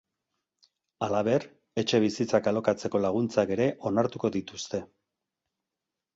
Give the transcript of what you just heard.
Halaber, etxebizitzak alokatzeko laguntzak ere onartuko dituzte.